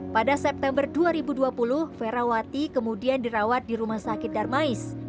pada september dua ribu dua puluh ferawati kemudian dirawat di rumah sakit darmais